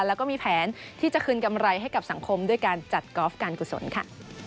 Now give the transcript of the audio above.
แล้วก็มีแผนที่จะคืนกำไรให้กับสังคมด้วยการจัดกอล์ฟการกุศลค่ะ